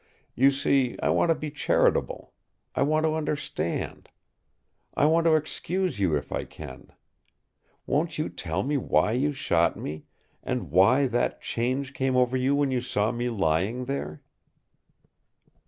You see, I want to be charitable. I want to understand. I want to excuse you if I can. Won't you tell me why you shot me, and why that change came over you when you saw me lying there?"